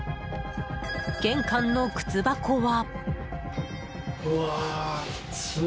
玄関の靴箱は。